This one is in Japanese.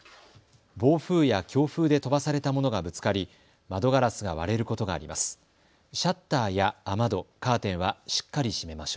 暴風や強風で飛ばされたものがぶつかり窓ガラスが割れることがあります。